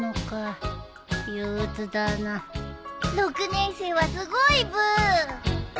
６年生はすごいブー。